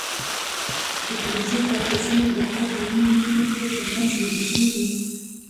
د فلزي خط کشونو دقت د نیم ملي مترو تر منځ لیدل کېږي.